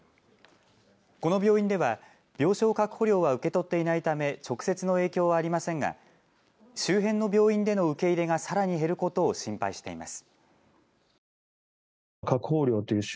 この病院では病床確保料は受け取っていないため直接の影響はありませんが周辺の病院での受け入れがさらに減ることを心配しています。